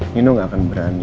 nino gak akan berani